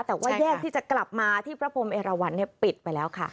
แต่ว่าแยกที่จะกลับมาที่พระพรมเอราวันปิดไปแล้วค่ะ